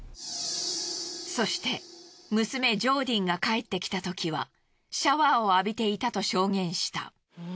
そして娘ジョーディンが帰ってきたときはシャワーを浴びていたと証言した。